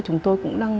chúng tôi cũng đang